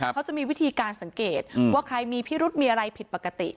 เขาจะมีวิธีการสังเกตว่าใครมีพิรุษมีอะไรผิดปกติ